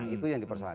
itu yang dipersoalan